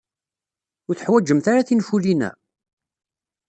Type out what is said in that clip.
Ur teḥwajemt ara tinfulin-a?